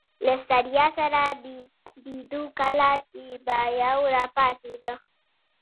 له ستړیا سره بیدېدو، کله چي به یو راپاڅېد.